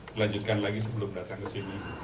melanjutkan lagi sebelum datang ke sini